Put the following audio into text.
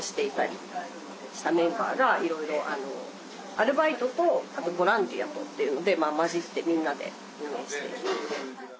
アルバイトとあとボランティアとっていうので交じってみんなで運営しています。